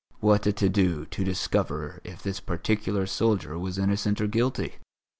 What a to do to discover if this particular soldier was innocent or guilty!